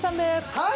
はい！